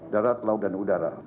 darat laut dan udara